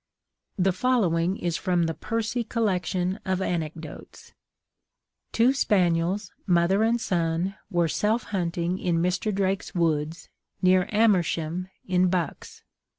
The following is from the Percy collection of Anecdotes: Two spaniels, mother and son, were self hunting in Mr. Drake's woods, near Amersham, in Bucks.